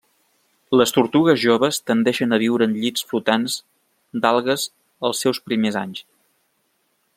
Les tortugues joves tendeixen a viure en llits flotants d'algues els seus primers anys.